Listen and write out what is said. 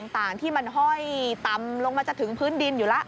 ต่างที่มันห้อยต่ำลงมาจะถึงพื้นดินอยู่แล้ว